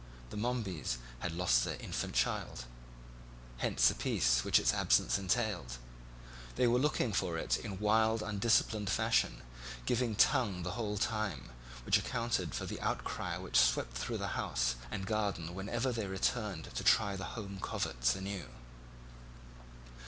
The Momebys had lost their infant child; hence the peace which its absence entailed; they were looking for it in wild, undisciplined fashion, giving tongue the whole time, which accounted for the outcry which swept through house and garden whenever they returned to try the home coverts anew.